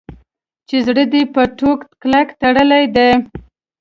چې زړه دې په ټوک کلک تړلی دی.